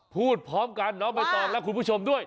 พูดพร้อมกันเน้อไบตรองและคุณผู้ชมด้วย๑๒๓